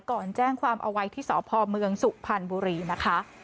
ก่อนแจ้งความเอาไว้ที่สพเมืองสุพรรณบุรีนะคะ